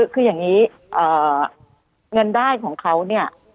คืออย่างนี้เงินได้ของเขาเนี่ย